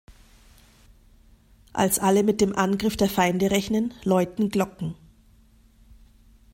Als alle mit dem Angriff der Feinde rechnen, läuten Glocken.